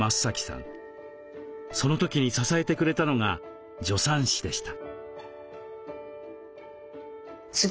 その時に支えてくれたのが助産師でした。